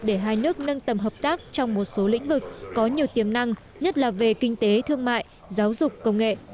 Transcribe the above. để hai nước nâng tầm hợp tác trong một số lĩnh vực có nhiều tiềm năng nhất là về kinh tế thương mại giáo dục công nghệ